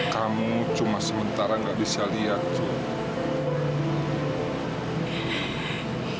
kamu cuma sementara gak bisa lihat cuy